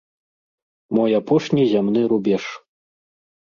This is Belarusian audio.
Мой апошні зямны рубеж.